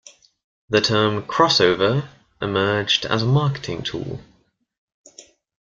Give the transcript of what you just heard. The term "crossover" ermerged as a marketing tool.